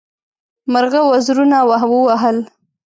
مرغه وزرونه ووهل.